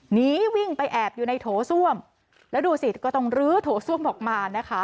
หนีวิ่งไปแอบอยู่ในโถส้วมแล้วดูสิก็ต้องลื้อโถส้วมออกมานะคะ